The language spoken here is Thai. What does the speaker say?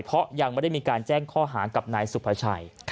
เพราะยังไม่ได้มีการแจ้งข้อหากับนายสุภาชัย